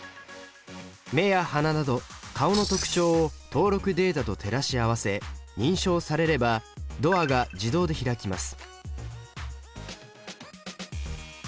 目や鼻など顔の特徴を登録データと照らし合わせ認証されればドアが自動で開きます。